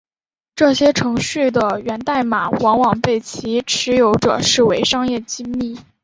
这些程序的源代码往往被其持有者视为商业机密。